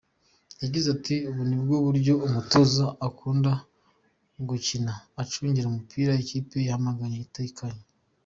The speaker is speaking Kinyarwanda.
Yagize ati “Ubu nibwo buryo umutoza akunda gukina, acungira ku mipira ikipe bahanganye itakaje.